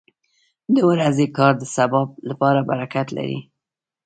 • د ورځې کار د سبا لپاره برکت لري.